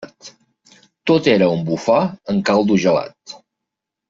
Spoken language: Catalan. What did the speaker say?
Tot era un bufar en caldo gelat.